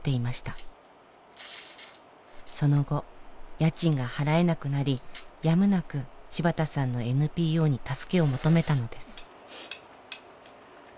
その後家賃が払えなくなりやむなく芝田さんのＮＰＯに助けを求めたのです。